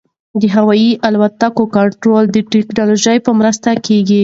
د هوايي الوتکو کنټرول د ټکنالوژۍ په مرسته کېږي.